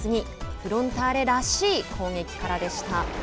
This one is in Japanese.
フロンターレらしい攻撃からでした。